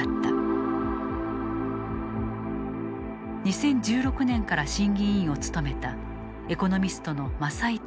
２０１６年から審議委員を務めたエコノミストの政井貴子。